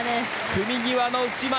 組み際の内股。